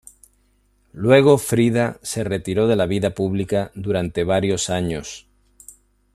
Luego Frida se retiró de la vida pública durante varios años.